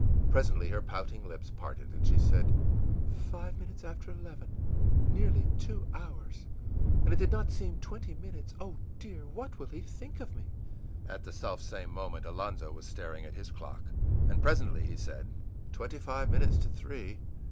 Presently her pouting lips parted, and she said: ìFive minutes after eleven! Nearly two hours, and it did not seem twenty minutes! Oh, dear, what will he think of me!î At the self same moment Alonzo was staring at his clock. And presently he said: ìTwenty five minutes to three!